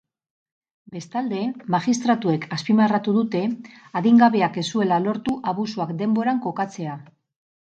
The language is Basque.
Bestalde, magistratuek azpimarratu dute adingabeak ez zuela lortu abusuak denboran kokatzea.